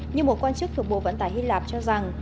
như một quan chức thuộc bộ vận tải hy lạp cho rằng